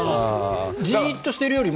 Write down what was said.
じっとしているよりも